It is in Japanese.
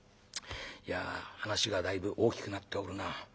いや話がだいぶ大きくなっておるな。